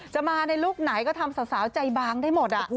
จะมาในลูกไหนก็ทำสาวใจบางได้หมด